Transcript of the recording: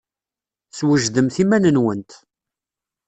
Swejdemt iman-nwent.